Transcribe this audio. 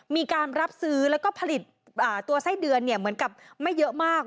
มีการรับซื้อแล้วก็ผลิตตัวไส้เดือนเหมือนกับไม่เยอะมาก